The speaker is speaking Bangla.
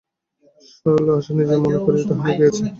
সরলা আশা নিজের মনে করিয়া তাহা লিখিয়াছে।